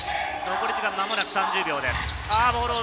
残り時間は間もなく３０秒です。